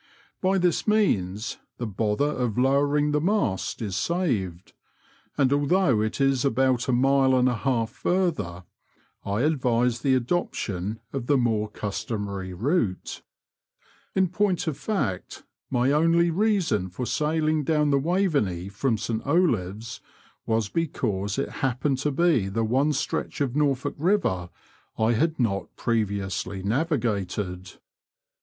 By this means the bother of lowering the mast is saved, and although it is about a mile and a half farther, I advise the adoption of the more customary route. In point of fact, my only reason for sailing down the Digitized by VjOOQIC 54 BBOADS AND BITEBS OF NOBFOLE AND SUFFOLK. Waveney from St Olaves was because it happened to be the one stretch of Norfolk river I had not previously navigated.